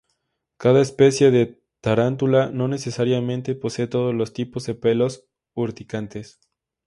Cada especie de tarántula no necesariamente posee todos los tipos de pelos urticantes.